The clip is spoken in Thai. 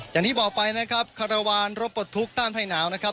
อย่างที่บอกไปนะครับคารวาลรถปลดทุกข์ต้านภัยหนาวนะครับ